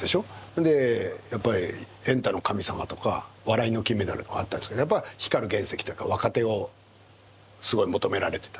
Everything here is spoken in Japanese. それでやっぱり「エンタの神様」とか「笑いの金メダル」とかあったんですけどやっぱ光る原石というか若手をすごい求められてた。